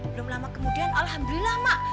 belum lama kemudian alhamdulillah mak